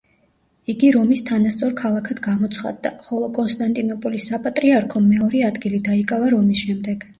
იგი რომის თანასწორ ქალაქად გამოცხადდა, ხოლო კონსტანტინოპოლის საპატრიარქომ მეორე ადგილი დაიკავა რომის შემდეგ.